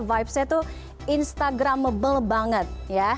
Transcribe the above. vibesnya tuh instagramable banget ya